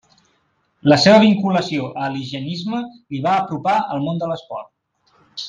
La seva vinculació a l'higienisme li va apropar al món de l'esport.